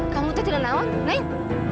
kamu itu tidak nangis neng